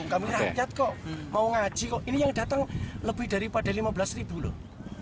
kami rakyat kok mau ngaji kok ini yang datang lebih daripada lima belas ribu loh